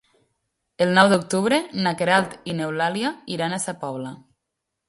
El nou d'octubre na Queralt i n'Eulàlia iran a Sa Pobla.